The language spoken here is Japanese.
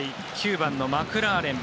９番のマクラーレン